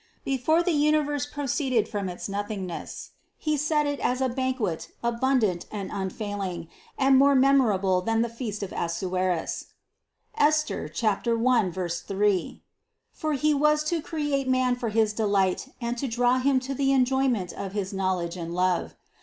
Before the universe proceeded from its nothingness, He set it as a banquet abundant and un failing, and more memorable than the feast of Assuerus (Esther 1, 3) ; for He was to create man for his delight and to draw him to the enjoyment of his knowledge and love.